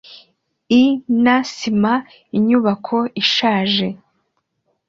i na sima inyubako ishaje